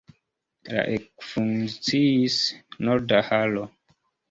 La ekfunkciis norda halo.